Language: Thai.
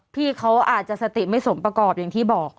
พี่เขาอาจจะสติไม่สมประกอบอย่างที่บอก